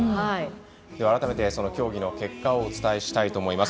改めて、その競技の結果をお伝えしたいと思います。